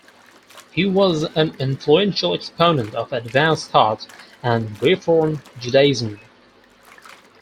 He was an influential exponent of advanced thought and Reform Judaism.